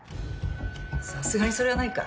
さすがにそれはないか。